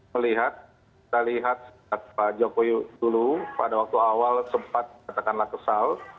melihat kita lihat pak jokowi dulu pada waktu awal sempat katakanlah kesal